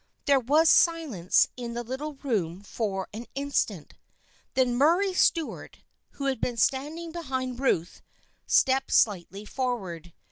There was silence in the little room for an in stant, Then Murray Stuart, who had been stand ing behind Ruth, stepped slightly forward.